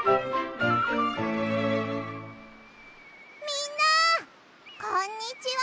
みんなこんにちは！